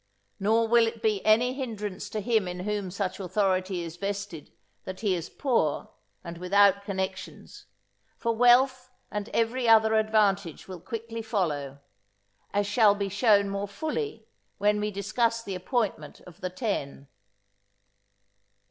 Nor will it be any hindrance to him in whom such authority is vested, that he is poor and without connections, for wealth and every other advantage will quickly follow, as shall be shown more fully when we discuss the appointment of the Ten.